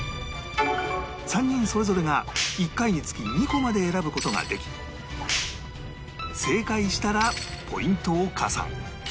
３人それぞれが１回につき２個まで選ぶ事ができ正解したらポイントを加算